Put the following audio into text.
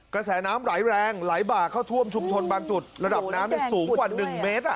กระแสน้ำไหลแรงไหลบ่าเข้าท่วมชุมชนบางจุดระดับน้ำสูงกว่า๑เมตร